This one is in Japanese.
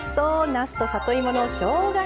なすと里芋のしょうが